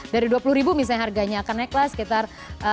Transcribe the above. dari dua puluh ribu misalnya harganya akan naik lah sekitar